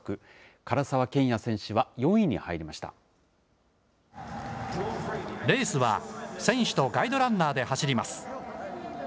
唐澤剣也選手は４レースは、選手とガイドランナーで走ります。